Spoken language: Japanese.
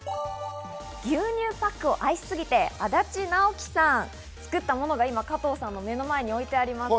牛乳パックを愛しすぎて、足立直紀さん、作ったものが今、加藤さんの目の前に置いてあります。